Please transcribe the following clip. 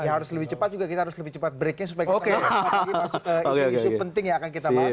harus lebih cepat juga kita harus lebih cepat breaknya supaya kita masuk ke isu isu penting yang akan kita bahas